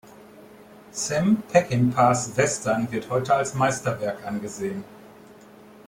Sam Peckinpahs Western wird heute als Meisterwerk angesehen.